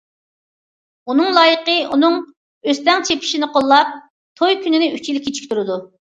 ئۇنىڭ لايىقى ئۇنىڭ ئۆستەڭ چېپىشىنى قوللاپ، توي كۈنىنى ئۈچ يىل كېچىكتۈرىدۇ.